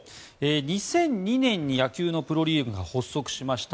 ２００２年に野球のプロリーグが発足しました。